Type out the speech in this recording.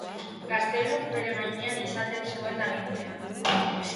Gazteluk bere gainean izaten zuen agintea.